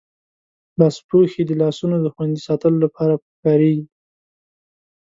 لاسپوښي د لاسونو دخوندي ساتلو لپاره پکاریږی.